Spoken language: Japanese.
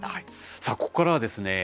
さあここからはですね